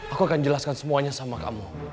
aku akan jelaskan semuanya sama kamu